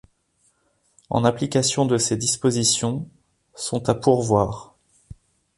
En application de ces dispositions, sont à pourvoir.